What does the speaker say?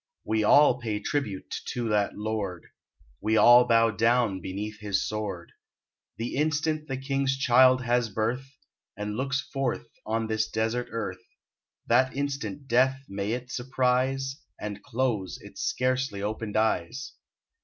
We all pay tribute to that lord; We all bow down beneath his sword. The instant the king's child has birth And looks forth on this desert earth That instant Death may it surprise, And close its scarcely opened eyes.